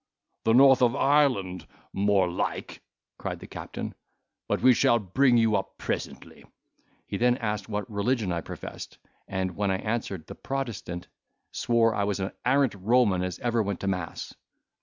"The north of Ireland more like!" cried the captain; "but we shall bring you up presently." He then asked what religion I professed; and when I answered "the Protestant," swore I was an arrant Roman as ever went to mass.